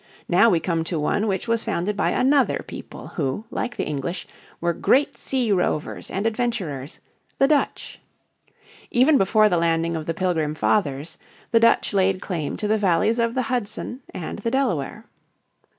Now we come to one which was founded by another people who, like the English, were great sea rovers and adventurer's the Dutch. Even before the landing of the Pilgrim Fathers the Dutch laid claim to the valleys of the Hudson and the Delaware.